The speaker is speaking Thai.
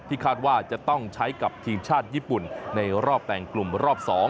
คาดว่าจะต้องใช้กับทีมชาติญี่ปุ่นในรอบแบ่งกลุ่มรอบ๒